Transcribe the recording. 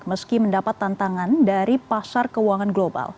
meski mendapat tantangan dari pasar keuangan global